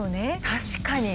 確かに！